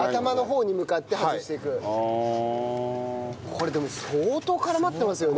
これでも相当絡まってますよね。